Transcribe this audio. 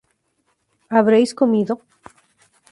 Habréis comido